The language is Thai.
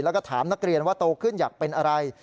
แล้วก็ถามนักเรียนว่าโตขึ้นอยากเป็นอะไร